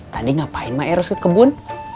tadi ngapain mah eros ke kebun